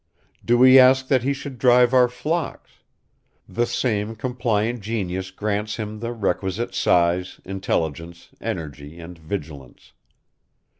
Do we ask that he should drive our flocks? The same compliant genius grants him the requisite size, intelligence, energy and vigilance.